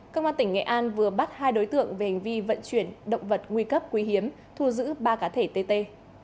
công an tỉnh nghệ an vừa bắt hai đối tượng về hành vi vận chuyển động vật nguy cấp quý hiếm thu giữ ba cá thể tt